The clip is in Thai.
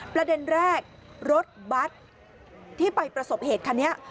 ประเด็นแรกรถบัตรที่ไปประสบเหตุคันนี้